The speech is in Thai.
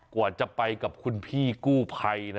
กว่าจะไปกับคุณพี่กู้ภัยนะ